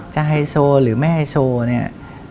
ไฮโซหรือไม่ไฮโซเนี่ย